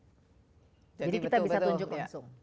jadi kita bisa tunjuk langsung